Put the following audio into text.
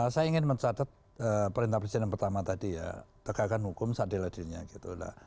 saya ingin mencatat perintah presiden yang pertama tadi ya tegakkan hukum seadil adilnya gitu lah